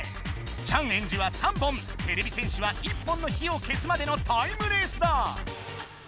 チャンエンジは３本てれび戦士は１本の火を消すまでのタイムレースだ！